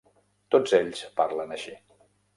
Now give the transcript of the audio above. Tots ells parlen així.